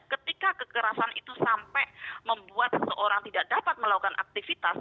ketika kekerasan itu sampai membuat seseorang tidak dapat melakukan aktivitas